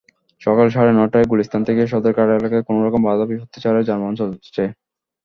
সকাল সাড়ে নয়টায় গুলিস্তান থেকে সদরঘাট এলাকায় কোনোরকম বাধা-বিপত্তি ছাড়াই যানবাহন চলেছে।